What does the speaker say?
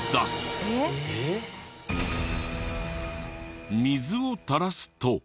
水を垂らすと。